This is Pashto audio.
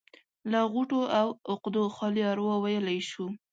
له غوټو او عقدو خالي اروا ويلی شو.